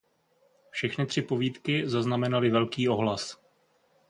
Všechny tři povídky zaznamenaly velký ohlas.